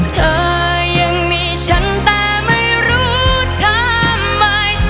เธอยังมีฉันแต่ไม่รู้ทำไม